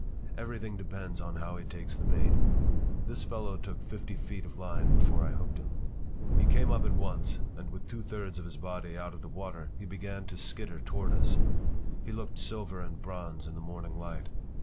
Everything depends on how he takes the bait. This fellow took fifty feet of line before I hooked him. He came up at once, and with two thirds of his body out of the water he began to skitter toward us. He looked silver and bronze in the morning light.